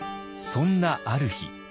そんなある日。